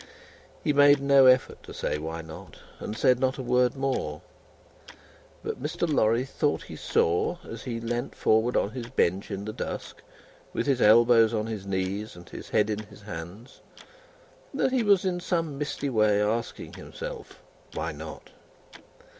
He made no effort to say why not, and said not a word more. But, Mr. Lorry thought he saw, as he leaned forward on his bench in the dusk, with his elbows on his knees and his head in his hands, that he was in some misty way asking himself, "Why not?"